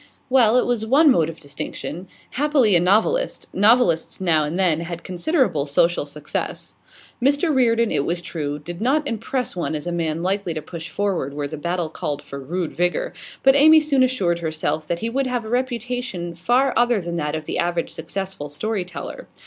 Well, it was one mode of distinction. Happily, a novelist; novelists now and then had considerable social success. Mr Reardon, it was true, did not impress one as a man likely to push forward where the battle called for rude vigour, but Amy soon assured herself that he would have a reputation far other than that of the average successful storyteller.